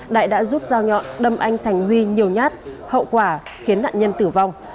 đại đã giúp giao nhọn đâm anh thành huy nhiều nhát hậu quả khiến nạn nhân tử vong